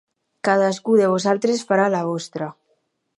Cadascú de vosaltres farà la vostra.